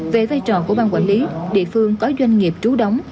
về vai trò của bang quản lý địa phương có doanh nghiệp trú đóng